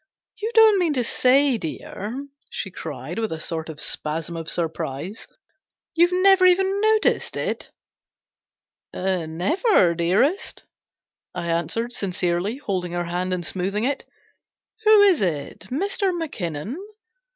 " You don't mean to say, dear," she cried, with a sort of spasm of surprise, "you've never even noticed it !"" Never, dearest," I answered sincerely, holding her hand and smoothing it. " Who is it ? Mr. Mackinnon